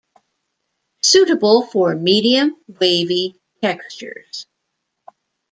Suitable for medium wavy textures.